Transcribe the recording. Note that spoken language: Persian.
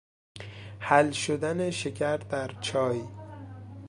حل شدن شکر در چای